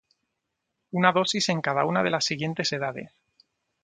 Una dosis en cada una de las siguientes edades: